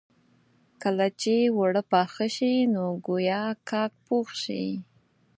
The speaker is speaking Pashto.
کله چې اوړه پاخه شي نو ګويا کاک پوخ شي.